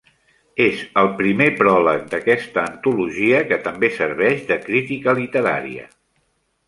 És el primer pròleg d'aquesta antologia, que també serveix de crítica literària.